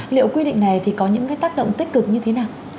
liệu quy định này thì có những cái tác động tích cực như thế nào